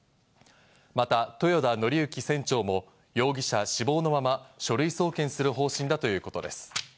また豊田徳幸船長も容疑者死亡のまま、書類送検する方針だということです。